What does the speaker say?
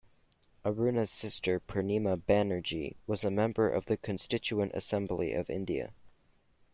Aruna's sister Purnima Banerjee was a member of the Constituent Assembly of India.